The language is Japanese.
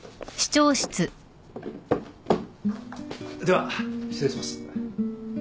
では失礼します。